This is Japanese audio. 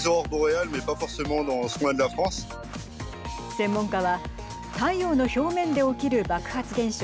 専門家は太陽の表面で起きる爆発現象